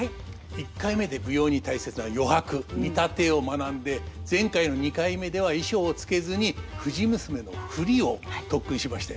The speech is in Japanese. １回目で舞踊に大切な余白「見立て」を学んで前回の２回目では衣装を着けずに「藤娘」の振りを特訓しましたよね。